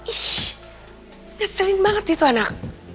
ih ngeselin banget itu anak